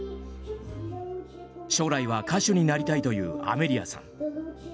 将来は歌手になりたいというアメリアさん。